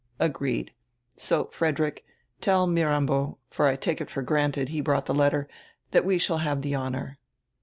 "Agreed. So, Frederick, tell Mirambo, for I take it for granted he brought the letter, that we shall have the honor."